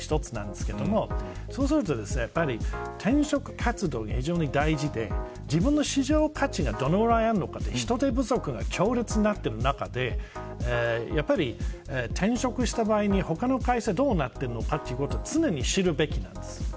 毎年期待を言わなきゃいけないというのが１つですがそうすると転職活動が非常に大事で自分の市場価値がどのくらいあるのか人手不足が強烈になっている中で転職した場合、他の会社がどうなっているのかということを常に知るべきです。